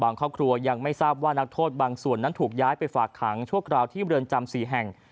ครอบครัวยังไม่ทราบว่านักโทษบางส่วนนั้นถูกย้ายไปฝากขังชั่วคราวที่เรือนจำ๔แห่ง